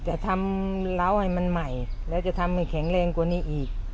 จะทำเล้าให้มันใหม่แล้วจะทำให้แข็งแรงกว่านี้อีก